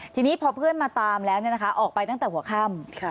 ทีนี้พอเพื่อนมาตามแล้วออกไปตั้งแต่หัวค่ำ